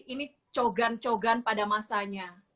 ini cogan cogan pada masanya